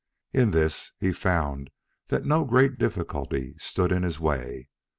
In this he found that no great difficulty stood in his way.